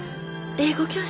英語教室？